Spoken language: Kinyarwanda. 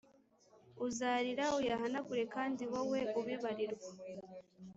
Uzarira uyahanagure Kandi wowe ubibarirwa